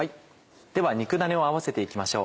では肉ダネを合わせて行きましょう。